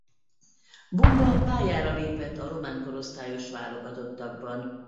Bumba pályára lépett a román korosztályos válogatottakban.